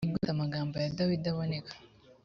ni gute amagambo ya dawidi aboneka